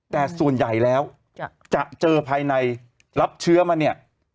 แต่ส่วนใหญ่แล้วจะเจอภายในรับเชื้อมาเนี่ย